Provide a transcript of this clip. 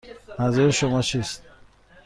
منظور شما چیست؟